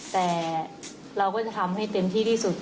แต่เราก็จะทำให้เต็มที่ที่สุด